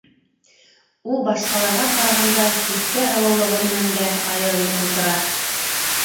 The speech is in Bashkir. Ул башҡаларға ҡарағанда төҫкә һылыулығы менән дә айырылып ултыра.